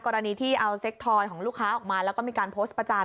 กรณีที่เอาเซ็กทอยของลูกค้าออกมาแล้วก็มีการโพสต์ประจาน